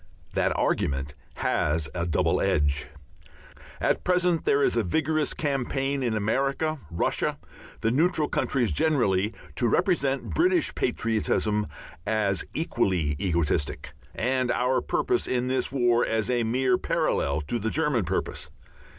That argument has a double edge. At present there is a vigorous campaign in America, Russia, the neutral countries generally, to represent British patriotism as equally egotistic, and our purpose in this war as a mere parallel to the German purpose.